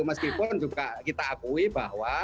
meskipun juga kita akui bahwa